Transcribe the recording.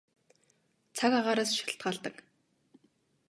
Цаг агаараас шалтгаалдаг.